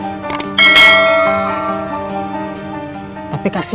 pak kitapi sudah ngintip